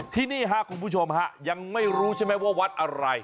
ที่นี่ค่ะคุณผู้ชมยังไม่รู้ว่าวัดอะไร